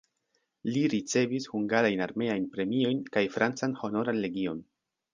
Li ricevis hungarajn armeajn premiojn kaj francan Honoran legion.